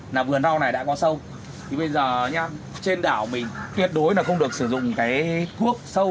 là vườn rau này đã có sâu thì bây giờ anh em trên đảo mình tuyệt đối là không được sử dụng cái thuốc sâu